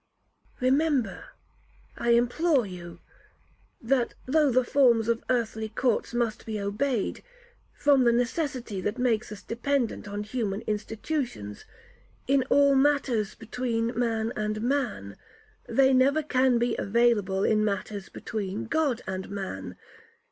'Remember, I implore you, that though the forms of earthly courts must be obeyed, from the necessity that makes us dependent on human institutions, in all matters between man and man, they never can be available in matters between God and man.